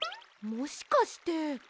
もしかして。